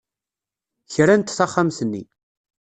Krant taxxamt-nni.